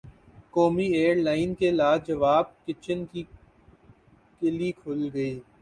قومی ایئرلائن کے لاجواب کچن کی قلعی کھل گئی